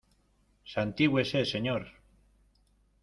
santígüese, señor.